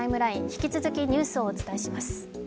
引き続きニュースをお伝えします。